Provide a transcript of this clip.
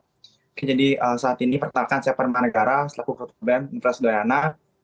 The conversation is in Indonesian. oke jadi saat ini pertanyaan saya kepada para negara selaku grup band universitas udayana